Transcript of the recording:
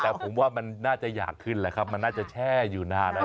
แต่ผมว่ามันน่าจะอยากขึ้นแหละครับมันน่าจะแช่อยู่นานแล้ว